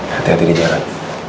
hati hati di jalan